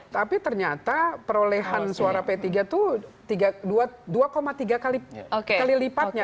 tapi ternyata perolehan suara p tiga itu dua tiga kali lipatnya